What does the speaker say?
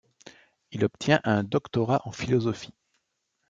Il obtient un doctorat en philosophie.